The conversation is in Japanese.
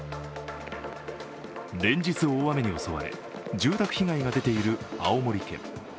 連日、大雨に襲われ住宅被害が出ている青森県。